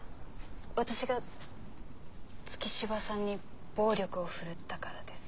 私が月柴さんに暴力を振るったからです。